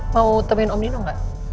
mau temuin om nino gak